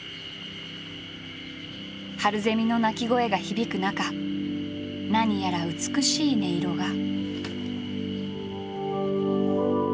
春ゼミの鳴き声が響く中何やら美しい音色が。